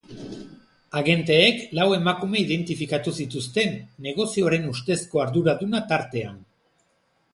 Agenteek lau emakume identifikatu zituzten, negozioaren ustezko arduraduna tartean.